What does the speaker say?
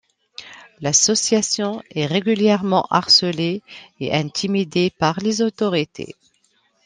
L'association est régulièrement harcelée et intimidée par les autorités.